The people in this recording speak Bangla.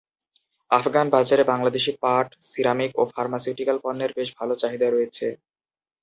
আফগান বাজারে বাংলাদেশী পাট, সিরামিক ও ফার্মাসিউটিক্যাল পণ্যের বেশ ভাল চাহিদা রয়েছে।